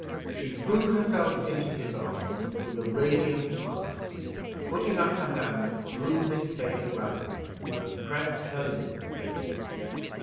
She threw herself into his arms with a radiant smile, and putting up her hands, drew his face round, and pressed her lips to his.